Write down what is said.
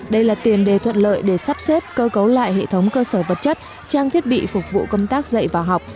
đây là tiền đề thuận lợi để sắp xếp cơ cấu lại hệ thống cơ sở vật chất trang thiết bị phục vụ công tác dạy và học